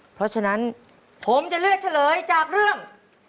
เพราะฉะนั้นผมจะเลือกเฉลยจากเรื่อง